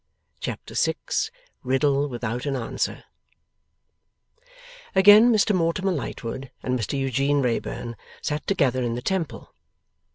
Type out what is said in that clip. Chapter 6 A RIDDLE WITHOUT AN ANSWER Again Mr Mortimer Lightwood and Mr Eugene Wrayburn sat together in the Temple.